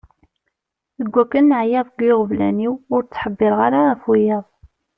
Deg wakken ɛyiɣ deg yiɣeblan-iw, ur ttḥebbireɣ ara ɣef wiyaḍ.